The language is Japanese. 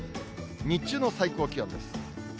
日中の最高気温です。